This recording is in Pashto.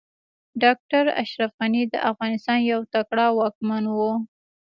ډاکټر اشرف غني د افغانستان يو تکړه واکمن و